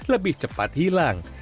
lebih cepat hilang